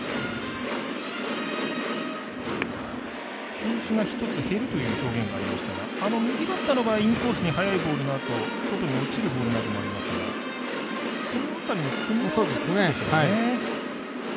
球種が一つ減るという表現がありましたが右バッターの場合、インコースに速いボールのあと外に落ちるボールもありますがその辺りの組み合わせのことでしょうね。